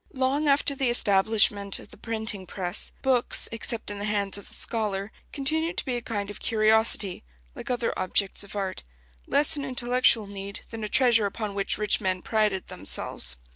Long after the establishment of the printing press, books, except in the hands of the scholar, continued to be a kind of curiosity, like other objects of art: less an intellectual need than a treasure upon which rich men prided themselves.